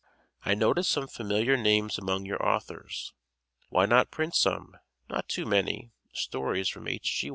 I notice some familiar names among your authors. Why not print some (not too many) stories from H. G.